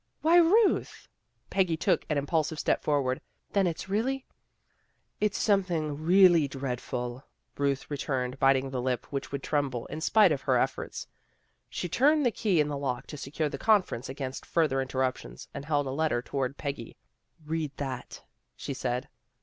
"Why, Ruth!" Peggy took an impulsive step forward. " Then it's really "" It's something really dreadful," Ruth re turned, biting the lip which would tremble, hi spite of her efforts. She turned the key in the lock to secure the conference against further interruptions, and held a letter toward Peggy. " Read that," she said.